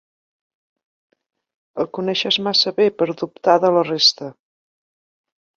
El coneixes massa bé per dubtar de la resta.